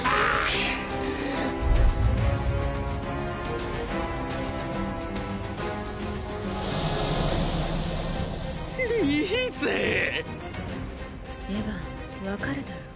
くっリーゼエヴァン分かるだろ？